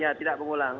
ya tidak mengulang